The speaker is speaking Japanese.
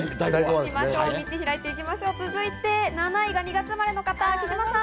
続いて７位は２月生まれの方、貴島さん。